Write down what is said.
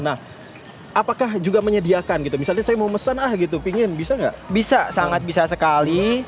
nah apakah juga menyediakan gitu misalnya saya mau mesen ah gitu pingin bisa nggak bisa sangat bisa sekali